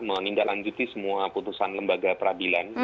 menindaklanjuti semua putusan lembaga peradilan